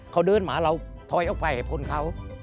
เขาเดินหมาเราถอยออกไปให้พ้นเขา